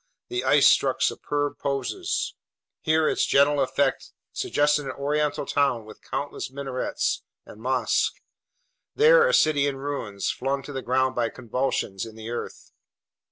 The ice struck superb poses. Here, its general effect suggested an oriental town with countless minarets and mosques. There, a city in ruins, flung to the ground by convulsions in the earth.